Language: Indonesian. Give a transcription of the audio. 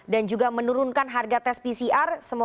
dan juga menurunkan harga tes pcr